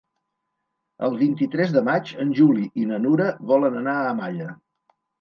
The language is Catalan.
El vint-i-tres de maig en Juli i na Nura volen anar a Malla.